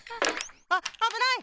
あっあぶない！